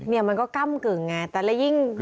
เนี่ยมันก็กั้มกึ่งไงแต่แล้วยิ่งยิ่งพอ